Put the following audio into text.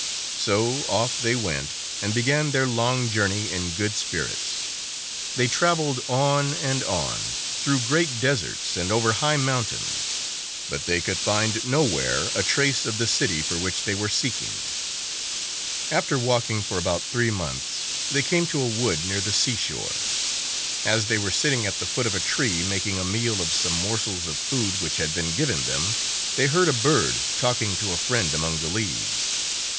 So off they went, and began their long journey in good spirits. They traveled on and on, through great deserts, and over high mountains ; but they could find nowhere a trace of the city for which they were seeking. 1 86 I T^7 After walking for about three months, they came to a wood near the seashore. As they were sitting at the foot of a tree, making a meal of some morsels of food which had been given them, they heard a bird talking to a friend among the leaves.